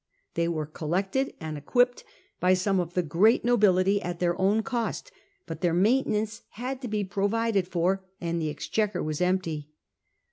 They were collected and equipped by some of the great nobility at their own cost, but their main tenance had to be provided for, and the exchequer was empty.